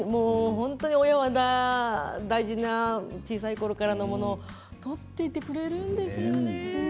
本当に親は大事な小さいころからの物を取っておいてくれるんですよね。